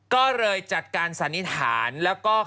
ก็เลยจัดการสานิทานแล้วก็เข้าไป